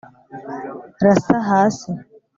rasa hasi